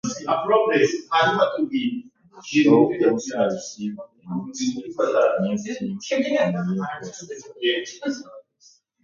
The show also received a new set, new theme music, and new hosts.